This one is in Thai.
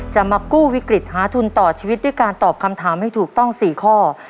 จะมากู้วิกฤตหาทุนต่อชีวิตด้วยการตอบคำถามให้ถูกต้อง๔ข้อ